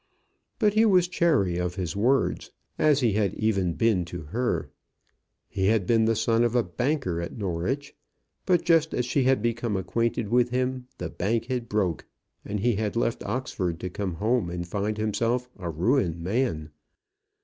But he was chary of his words, as he had even been to her. He had been the son of a banker at Norwich; but, just as she had become acquainted with him, the bank had broke, and he had left Oxford to come home and find himself a ruined man.